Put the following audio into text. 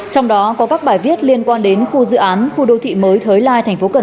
trong đó có các bài viết liên quan đến khu dự án khu đô thị mới thới lai tp cần